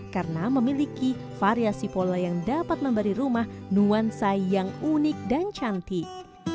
karena memiliki variasi pola yang dapat memberi rumah nuansa yang unik dan cantik